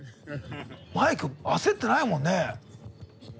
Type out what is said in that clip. マイク焦ってないもんね。